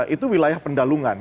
itu wilayah pendalungan